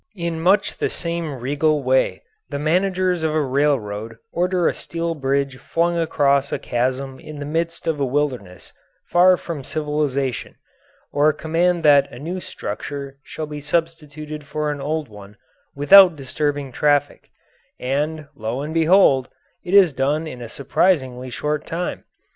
In much the same regal way the managers of a railroad order a steel bridge flung across a chasm in the midst of a wilderness far from civilisation, or command that a new structure shall be substituted for an old one without disturbing traffic; and, lo and behold, it is done in a surprisingly short time.